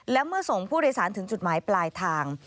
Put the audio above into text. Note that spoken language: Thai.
และเมื่อส่งผู้โดยสารถึงจุดหมายปลายทาง